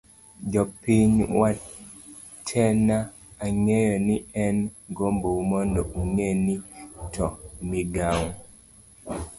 jopiny wetena, ang'eyo ni en gombo u mondo ung'e ni to migawo